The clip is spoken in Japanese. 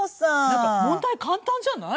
なんか問題簡単じゃない？